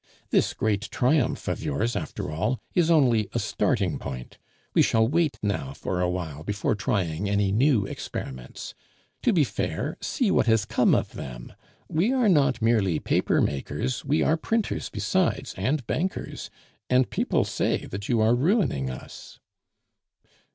"This great triumph of yours, after all, is only a starting point. We shall wait now for awhile before trying any new experiments. To be fair! see what has come of them. We are not merely paper makers, we are printers besides and bankers, and people say that you are ruining us."